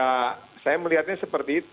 nah saya melihatnya seperti itu